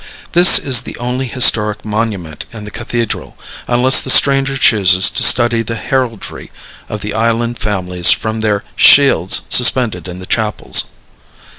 This is the only historic monument in the Cathedral, unless the stranger chooses to study the heraldry of the island families from their shields suspended in the chapels.